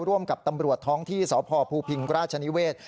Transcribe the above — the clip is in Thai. ร่วมกับตำรวจท้องที่สพภูพิงราชนิเวศ